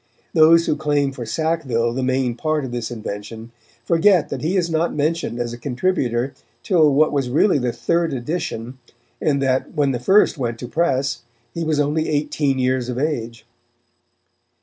Those who claim for Sackville the main part of this invention, forget that he is not mentioned as a contributor till what was really the third edition, and that, when the first went to press, he was only eighteen years of age.